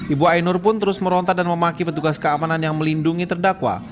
ibu ainur pun terus merontak dan memaki petugas keamanan yang melindungi terdakwa